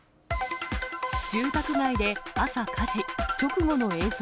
住宅街で朝火事、直後の映像。